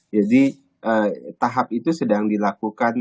jadi tahap itu sedang dilakukan